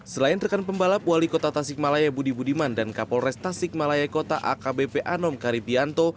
selain rekan pembalap wali kota tasikmalaya budi budiman dan kapolres tasik malaya kota akbp anom karipianto